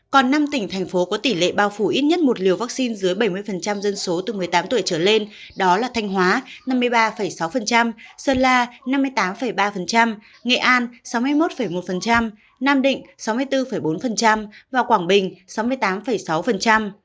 còn năm tỉnh thành phố có tỷ lệ bao phủ ít nhất một liều vaccine dưới bảy mươi dân số từ một mươi tám tuổi trở lên đó là thanh hóa năm mươi ba sáu sơn la năm mươi tám ba nghệ an sáu mươi một một nam định sáu mươi bốn bốn và quảng bình sáu mươi tám sáu